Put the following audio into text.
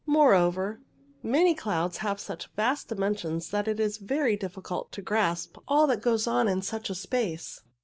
Moreover, many clouds have such vast dimensions that it is very difficult to grasp all that goes on in such a space.